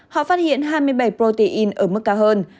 họ phát hiện hai mươi bảy protein ở mức cao hơn